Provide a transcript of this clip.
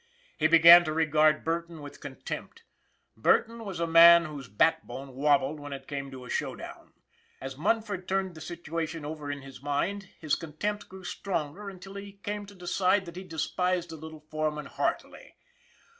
He began to regard Burton with contempt. Burton was a man whose backbone wobbled when it came to a showdown ! As Munford turned the situation over in his mind his contempt grew stronger until he came to decide that he despised the little foreman heartily.